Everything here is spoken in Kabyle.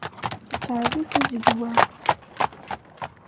Ittɛerri tizegwa.